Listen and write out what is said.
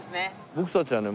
僕たちはね